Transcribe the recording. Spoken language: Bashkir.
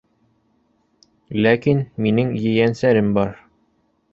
Ләкин минең ейәнсәрем бар.